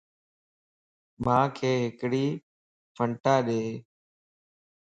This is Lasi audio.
مانک ھڪڙي ڦنٽا ڏي